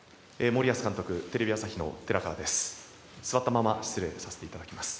森保監督テレビ朝日の寺川です。